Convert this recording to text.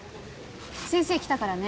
先生来たからね。